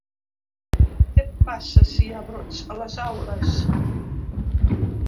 Què passa, si hi ha brots a les aules?